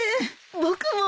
僕も。